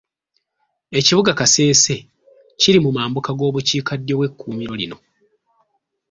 Ekibuga Kasese kiri mu mambuka g'obukiikaddyo bw'ekkuumiro lino